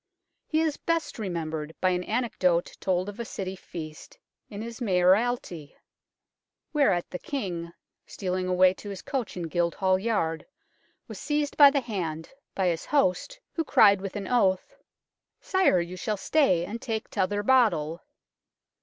He is best remembered by an anecdote told of a City feast in his mayoralty, whereat the King, stealing away to his coach in Guildhall Yard, was seized by the hand by his host, who cried with an oath, " Sire, you shall stay and take t'other bottle."